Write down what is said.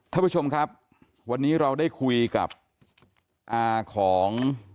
ท่านผู้ชมครับวันนี้เราได้คุยกับอาของ